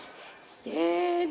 せの！